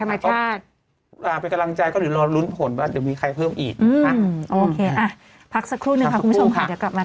ไปดูภาพของน้องลิซ่าหน่อย